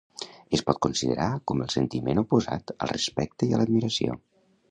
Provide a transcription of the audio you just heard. Es pot considerar com el sentiment oposat al respecte i a l'admiració.